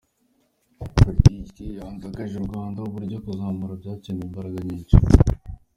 Politiki yadindije u Rwanda ku buryo kuzanzamuuka byakeneye imbaraga nyinshi.